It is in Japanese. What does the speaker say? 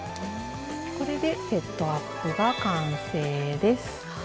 これでセットアップが完成です。